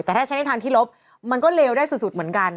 แต่ถ้าใช้ในทางที่ลบมันก็เลวได้สุดเหมือนกัน